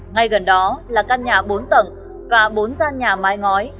ngay gần đó là căn nhà bốn tầng và bốn gian nhà mái ngói